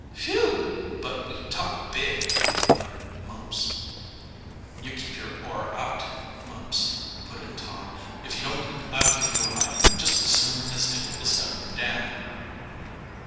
"Phew, but we talk big!" muttered Mumps. "You keep your oar out, Mumps," put in Tom. "If you don't I'll give you a hiding, just as soon as Dick is done with Dan."